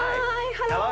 ハロー。